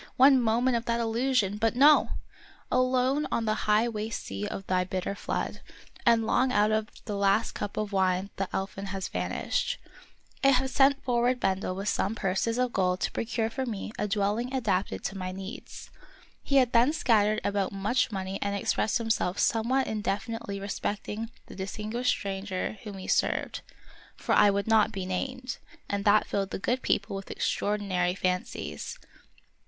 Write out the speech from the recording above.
one moment of that illusion ! But no ! alone on the high waste sea of thy bitter flood I and long out of the last cup of wine the elfin has vanished ! I had sent forward Bendel with some purses of gold to procure for me a dwelling adapted to my needs. He had there scattered about much money and expressed himself somewhat indefi nitely respecting the distinguished stranger whom he served, for I would not be named, and that filled the good people with extraordinary fancies.